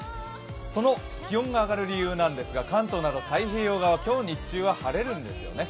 その気温が上がる理由なんですが、関東など太平洋側、今日日中は晴れるんですよね。